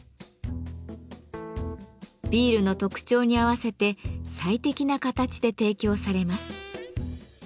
ビールの特徴に合わせて最適な形で提供されます。